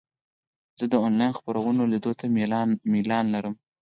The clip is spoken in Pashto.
زه د انلاین خپرونو لیدو ته میلان لرم.